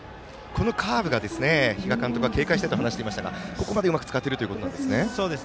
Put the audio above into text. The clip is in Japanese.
カーブが比嘉監督は警戒していると話していましたがここまでうまく使えているという話ですね。